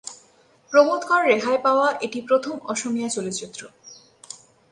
প্রমোদ কর রেহাই পাওয়া এটি প্রথম অসমীয়া চলচ্চিত্র।